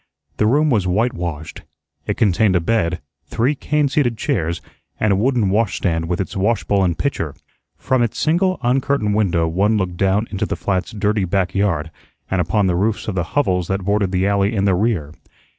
The room was whitewashed. It contained a bed, three cane seated chairs, and a wooden washstand with its washbowl and pitcher. From its single uncurtained window one looked down into the flat's dirty back yard and upon the roofs of the hovels that bordered the alley in the rear.